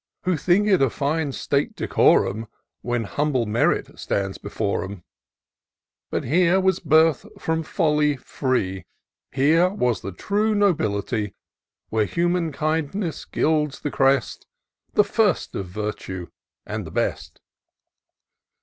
Who think it a fine state decorum. When humble Merit stands before 'em : But here was birth fi'om folly free ; Here was the true nobility, Where human kindness gilds the crest, — The first of virtues, and the best.